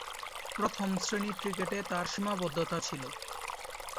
প্রথম-শ্রেণীর ক্রিকেটে তার সীমাবদ্ধতা ছিল।